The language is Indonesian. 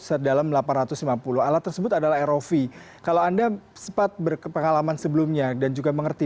sedalam delapan ratus lima puluh alat tersebut adalah rov kalau anda sempat berpengalaman sebelumnya dan juga mengerti